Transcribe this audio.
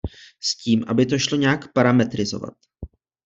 S tím, aby to šlo nějak parametrizovat.